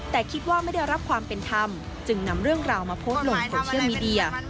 แต่คิดว่าไม่ได้รับความเป็นธรรมจึงนำเรื่องราวมาโพสต์ลงโซเชียลมีเดีย